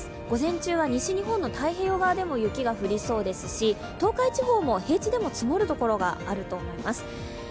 午前中は西日本の太平洋側でも雪が降りそうですし、東海地方も平地でも積もるところがあると思います。